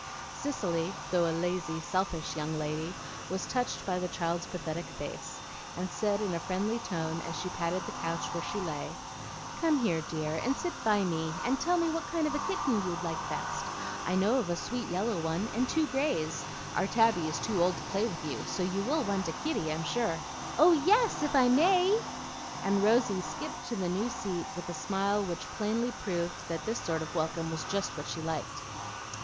Cicely, though a lazy, selfish young lady, was touched by the child's pathetic face, and said in a friendly tone, as she patted the couch where she lay, "Come here, dear, and sit by me, and tell me what kind of a kitten you'd like best. I know of a sweet yellow one, and two grays. Our Tabby is too old to play with you; so you will want a kitty, I'm sure." "Oh yes, if I may!" and Rosy skipped to the new seat with a smile which plainly proved that this sort of welcome was just what she liked.